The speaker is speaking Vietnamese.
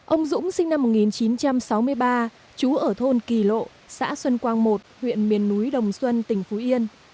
ông dũng sinh năm một nghìn chín trăm sáu mươi ba chú ở thôn kỳ lộ xã xuân quang một huyện miền núi đồng xuân tỉnh phú yên